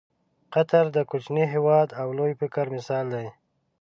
قطر د کوچني هېواد او لوی فکر مثال دی.